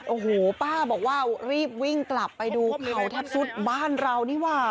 โอ้โหป้าบอกว่ารีบวิ่งกลับไปดูเขาแทบสุดบ้านเรานี่ว่า